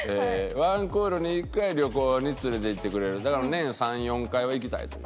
「１クールに１回旅行に連れて行ってくれる」だから年３４回は行きたいという？